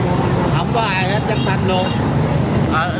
không có ai hết chắc thanh luôn